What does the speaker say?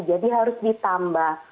jadi harus ditambah